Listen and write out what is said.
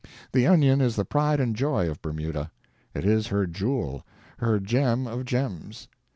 The onion is the pride and joy of Bermuda. It is her jewel, her gem of gems.